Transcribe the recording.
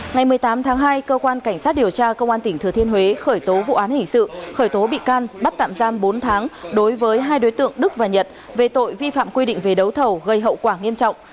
ngày một mươi tám tháng hai cơ quan cảnh sát điều tra công an tỉnh thừa thiên huế khởi tố vụ án hình sự khởi tố bị can bắt tạm giam bốn tháng đối với hai đối tượng đức và nhật về tội vi phạm quy định về đấu thầu gây hậu quả nghiêm trọng